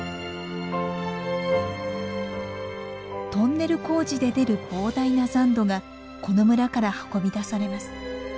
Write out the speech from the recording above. トンネル工事で出る膨大な残土がこの村から運び出されます。